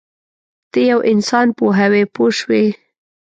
ته یو انسان پوهوې پوه شوې!.